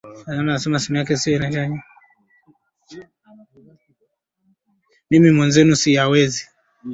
Mimi mwenzenu siyawezi